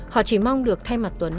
họ chỉ mong được thay mặt tuấn